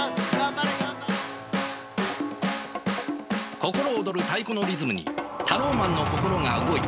心躍る太鼓のリズムにタローマンの心が動いた。